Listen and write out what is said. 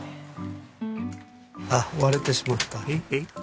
あっ割れてしまった。